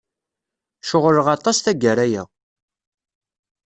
Ceɣleɣ aṭas tagara-a.